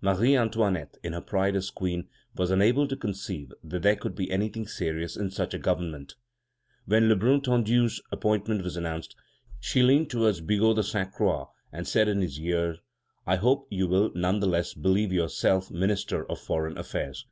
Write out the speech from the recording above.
Marie Antoinette, in her pride as Queen, was unable to conceive that there could be anything serious in such a government. When Lebrun Tondu's appointment was announced, she leaned towards Bigot de Sainte Croix, and said in his ear: "I hope you will none the less believe yourself Minister of Foreign Affairs."